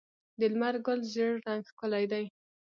د لمر ګل ژیړ رنګ ښکلی دی.